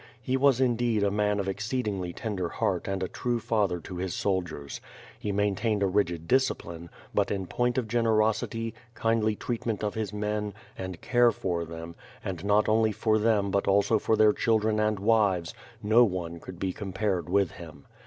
He was indeed a man of exceed ingly tender heart and a true father to his soldiers. He main tained a rigid discipline; but in point of generosit)% kindly treatment of his men, and care for them, and not only for them but also for their children and wives, no one could be compared with him.